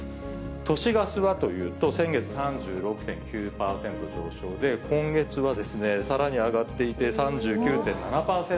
都市ガスはというと、先月、３６．９％上昇で、今月はさらに上がっていて、３９．７％。